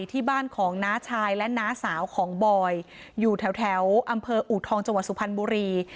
ที่บ้านของน้าชายและน้าสาวของบอยอยู่แถวอำเภออูทองจังหวัดสุพรรณบุรี